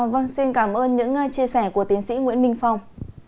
vâng xin cảm ơn những chia sẻ của tiến sĩ nguyễn minh phong